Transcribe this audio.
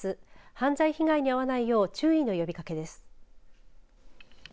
犯罪被害に遭わないよう注意の呼びかけです。